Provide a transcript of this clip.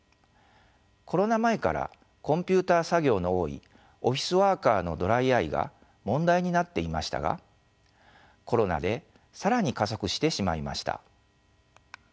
コロナ前からコンピューター作業の多いオフィスワーカーのドライアイが問題になっていましたがコロナで更に加速してしまいました。